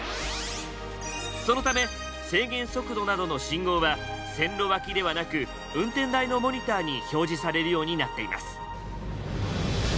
そのため制限速度などの信号は線路脇ではなく運転台のモニターに表示されるようになっています。